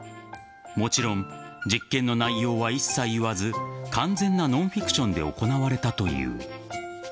もちろん実験の内容は一切言わず完全なノンフィクションで行われたという。